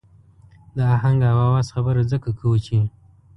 د آهنګ او آواز خبره ځکه کوو چې.